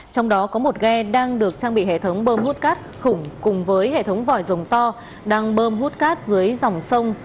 trong đó có một ghe đang được trang bị hệ thống bơm hút cát khủng cùng với hệ thống vòi dòng to đang bơm hút cát dưới dòng sông